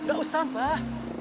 nggak usah mbah